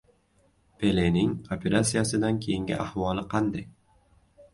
Pelening operasiyadan keyingi ahvoli qanday?